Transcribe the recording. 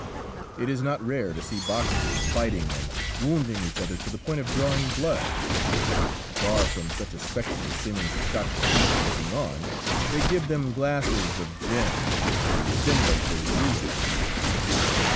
It is not rare to see boxers fighting and wounding each other to the point of drawing blood. Far from such a spectacle seeming to shock the people looking on, they give them glasses of gin to stimulate their zeal.